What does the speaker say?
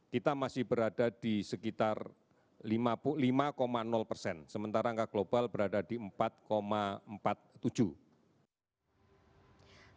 kita masih berada di sekitar lima persen sementara angka global berada di empat empat puluh tujuh persen